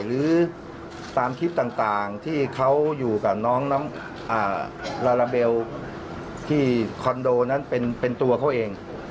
หรือตามคลิปต่างที่เขาอยู่กับน้องลาลาเบลที่คอนโดนั้นเป็นตัวเขาเอง